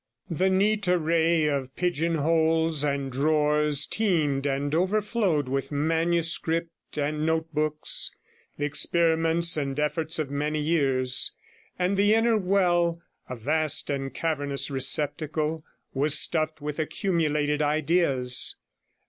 The neat array of pigeon holes and drawers teemed and overflowed with manuscript and notebooks, the experiments and efforts of many years; and the inner well, a vast and cavernous receptacle, was stuffed with accumulated ideas.